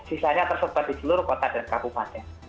sisanya tersebar di seluruh kota dan kabupaten